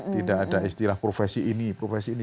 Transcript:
tidak ada istilah profesi ini profesi ini